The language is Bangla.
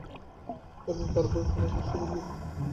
এবং তারপর কালাশ উৎসবে যেতে।